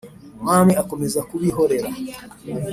umwami akomeza kubihorera